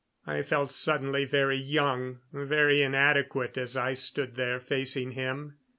I felt suddenly very young, very inadequate as I stood there facing him.